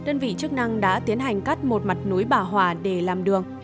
đơn vị chức năng đã tiến hành cắt một mặt núi bảo hỏa để làm đường